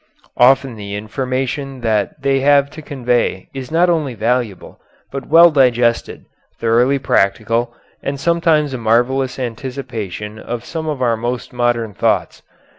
Often the information that they have to convey is not only valuable, but well digested, thoroughly practical, and sometimes a marvellous anticipation of some of our most modern thoughts.